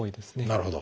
なるほど。